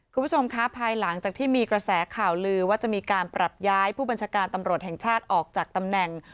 คุณผู้ชมคะภายหลังจากที่มีกระแสข่าวลือว่าจะมีการปรับย้ายผู้บัญชาการตำรวจแห่งชาติออกจากตำแหน่ง